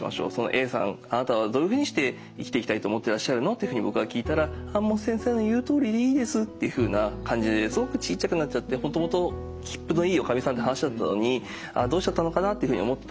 「Ａさんあなたはどういうふうにして生きていきたいと思ってらっしゃるの？」っていうふうに僕が聞いたら「もう先生の言うとおりでいいです」っていうふうな感じですごくちっちゃくなっちゃってもともときっぷのいいおかみさんって話だったのにどうしちゃったのかなっていうふうに思ってたんです。